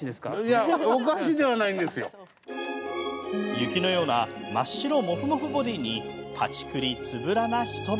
雪のような真っ白モフモフボディーにパチクリつぶらな瞳。